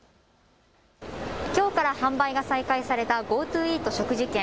きょうから販売が再開されたＧｏＴｏイート食事券。